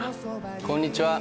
こんにちは。